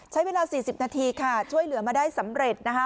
ใช้เวลา๔๐นาทีค่ะช่วยเหลือมาได้สำเร็จนะคะ